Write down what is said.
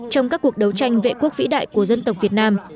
trong các cuộc đấu tranh vệ quốc vĩ đại của dân tộc việt nam